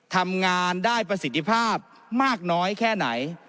ทำงานได้ประสิทธิภาพมากน้อยแค่ไหน